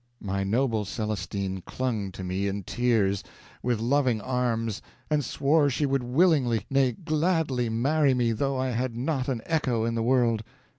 My noble Celestine clung to me in tears, with loving arms, and swore she would willingly, nay gladly, marry me, though I had not an echo in the world.